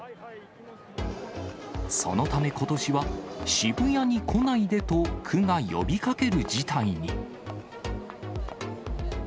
そのため、ことしは渋谷に来ないでと、区が呼びかける事態に。